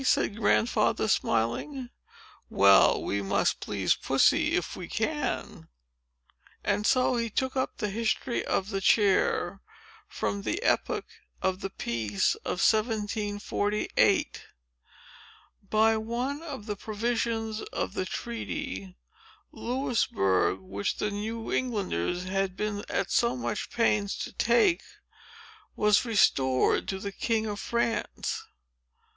said Grandfather, smiling. "Well; we must please Pussy, if we can!" And so he took up the history of the chair, from the epoch of the peace of 1748. By one of the provisions of the treaty, Louisbourg, which the New Englanders had been at so much pains to take, was restored to the king of France.